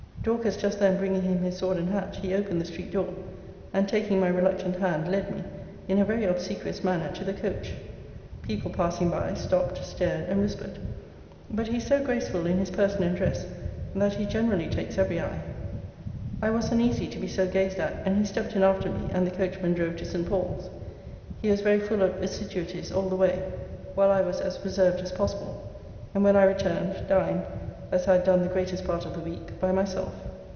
Dorcas just then bringing him his sword and hat, he opened the street door, and taking my reluctant hand, led me, in a very obsequious manner, to the coach. People passing by, stopped, stared, and whispered But he is so graceful in his person and dress, that he generally takes every eye. I was uneasy to be so gazed at; and he stepped in after me, and the coachman drove to St. Paul's. He was very full of assiduities all the way; while I was as reserved as possible: and when I returned, dined, as I had done the greatest part of the week, by myself.